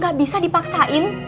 gak bisa dipaksain